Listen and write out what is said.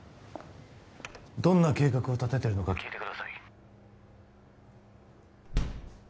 どんな計画を立ててるのか聞いてください